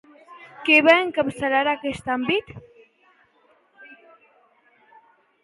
Què va encapçalar en aquest àmbit?